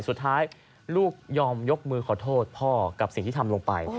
สุดท้ายลูกยอมยกมือขอโทษพ่อกับสิ่งที่ทำลงไป